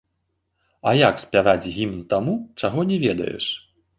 А як спяваць гімн таму, чаго не ведаеш?